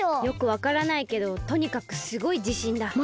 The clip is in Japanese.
よくわからないけどとにかくすごいじしんだ。